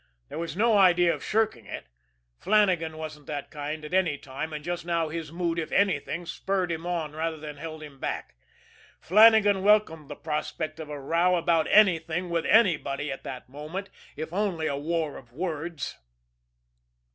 There was no idea of shirking it; Flannagan wasn't that kind at any time, and just now his mood, if anything, spurred him on rather than held him back. Flannagan welcomed the prospect of a row about anything with anybody at that moment if only a war of words.